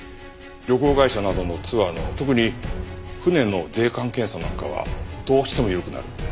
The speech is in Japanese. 旅行会社などのツアーの特に船の税関検査なんかはどうしても緩くなる。